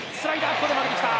ここで曲げてきた。